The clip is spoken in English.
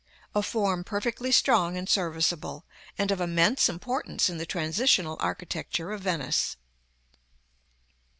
a form perfectly strong and serviceable, and of immense importance in the transitional architecture of Venice.